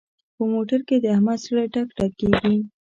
په موټر کې د احمد زړه ډک ډک کېږي.